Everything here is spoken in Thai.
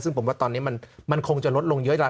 ซึ่งผมว่าตอนนี้มันคงจะลดลงเยอะแล้ว